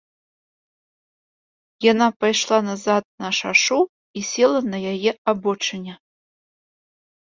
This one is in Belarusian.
Яна пайшла назад на шашу і села на яе абочыне.